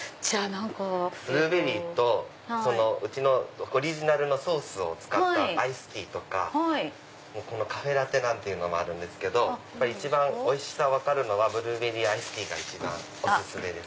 ブルーベリーとうちのオリジナルのソースを使ったアイスティーとかカフェラテもあるんですけど一番おいしさ分かるのはブルーベリーアイスティーお薦めです。